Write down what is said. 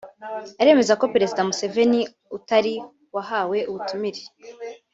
aremeza ko Perezida Museveni utari wahawe ubutumire